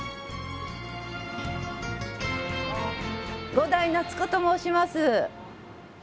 伍代夏子と申します。